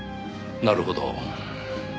なるほど。